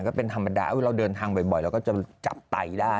ก็เป็นธรรมดาเราเดินทางบ่อยเราก็จะจับไตได้